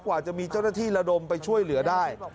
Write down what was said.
กว่าจะมีเจ้าหน้าที่ระดมไปช่วยเหลือได้